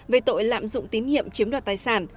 về tội lạm dụng tín nhiệm chiếm đoạt tài sản